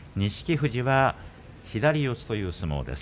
富士は左四つという相撲です。